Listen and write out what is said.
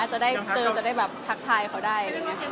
จะได้ทักทายเขาได้